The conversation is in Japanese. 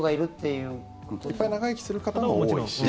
いっぱい長生きする方も多いし。